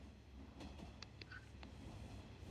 诺伊莱温是德国勃兰登堡州的一个市镇。